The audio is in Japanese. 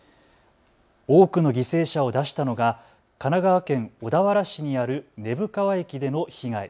多くの犠牲者を出したのが神奈川県小田原市にある根府川駅での被害。